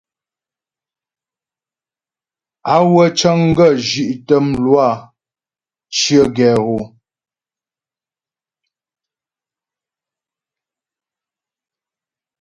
Á wə́ cə́ŋ gə zhí'tə mlwâ cyə̀ gɛ hɔ.